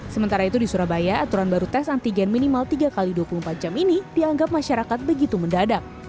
sementara itu di surabaya aturan baru tes antigen minimal tiga x dua puluh empat jam ini dianggap masyarakat begitu mendadak